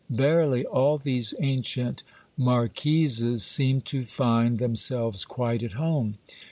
Verily, all these ancient marquises seem to find themselves quite at home.